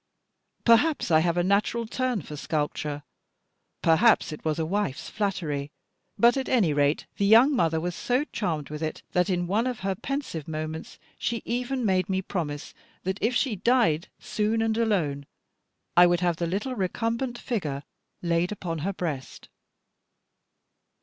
Perhaps I have a natural turn for sculpture, perhaps it was a wife's flattery; but at any rate the young mother was so charmed with it, that in one of her pensive moments she even made me promise, that if she died soon and alone, I would have the little recumbent figure laid upon her breast.